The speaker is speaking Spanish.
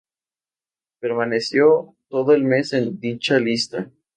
Perteneció todo el mes en dicha lista.